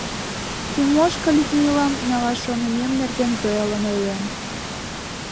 Тимошка Людмилам налаш шонымем нерген Зоялан ойлен.